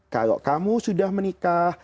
kalau kamu sudah menikah